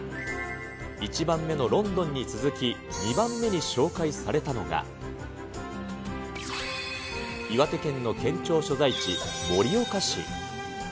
１番目のロンドンに続き、２番目に紹介されたのが、岩手県の県庁所在地、盛岡市。